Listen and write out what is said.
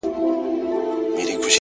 خو دوى يې د مريد غمى د پير پر مخ گنډلی”